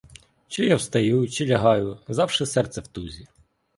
Чи я встаю, чи лягаю — завше серце в тузі.